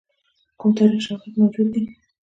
کوم تاریخي شواهد موجود دي.